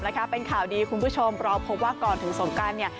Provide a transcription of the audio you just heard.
นะคะเป็นข่าวดีคุณผู้ชมเราพบว่าก่อนถึงสงการเนี่ย